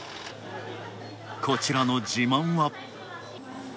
こちらの自慢は。